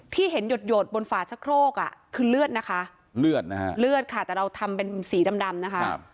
ที่เห็นหยดบนฝาชะโครกคือเลือดนะคะแต่เราทำเป็นสีดำนะคะ